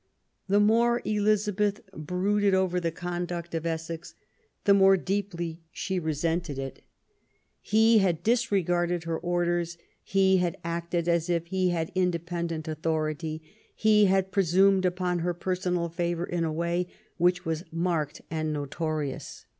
The more Elizabeth brooded over the conduct of Essex, the more deeply she resented it. He had 288 Q VEEN ELIZA BE TH^ disregarded her orders ; he had acted as if ihe had independent authority; he had presumed upon her personal favour in a way which was marked and notorious.